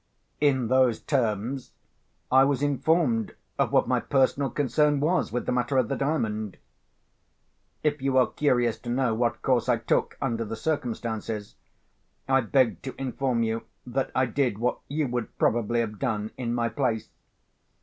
In those terms I was informed of what my personal concern was with the matter of the Diamond. If you are curious to know what course I took under the circumstances, I beg to inform you that I did what you would probably have done in my place.